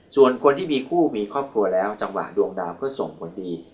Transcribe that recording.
ส่วนคนที่มีคู่มีครอบครัวแล้วจังหวะดวงดาวเพื่อส่งคนดี